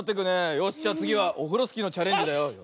よしじゃあつぎはオフロスキーのチャレンジだよ。